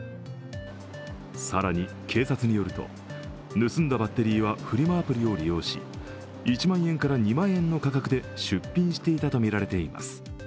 更に警察によると、盗んだバッテリーはフリマアプリを利用し１万円から２万円の価格で出品していたとみられます。